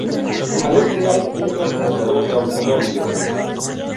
Al este hay un transbordador de automóviles.